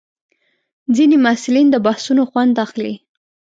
ځینې محصلین د بحثونو خوند اخلي.